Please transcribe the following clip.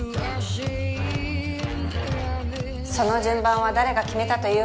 その順番は誰が決めたというわけではない。